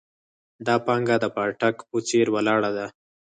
دا پانګه د پاټک په څېر ولاړه ده.